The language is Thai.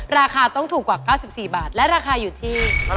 ราคาต้องถูกกว่า๙๔บาทและราคาอยู่ที่